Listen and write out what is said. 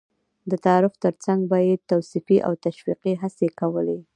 د تعارف تر څنګ به یې توصيفي او تشويقي هڅې کولې.